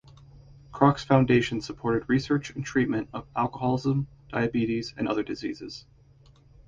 Kroc's foundation supported research and treatment of alcoholism, diabetes, and other diseases.